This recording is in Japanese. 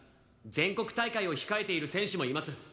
全国大会を控えている選手もいます。